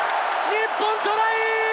日本トライ！